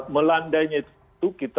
melandainya itu kita